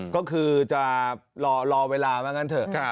ก็คือจะรอเวลาว่างั้นเถอะ